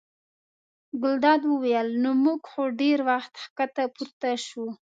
ګلداد وویل: نو موږ خو ډېر وخت ښکته پورته شوو.